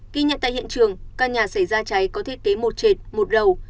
ghi nhận tại hiện trường căn nhà xảy ra cháy có thiết kế một trệt một đầu